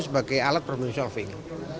sebagai alat problem solving